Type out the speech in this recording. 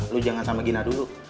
lu jangan sama gina dulu